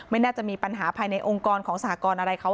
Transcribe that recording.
ไม่น่าจะมีปัญหาภายในองค์กรของสหกรณ์อะไรเขา